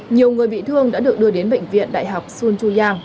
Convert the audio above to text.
nhiều người bị thương đã được đưa đến bệnh viện đại học sun chu yang